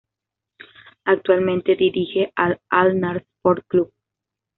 Actualmente dirige al Al-Nasr Sports Club.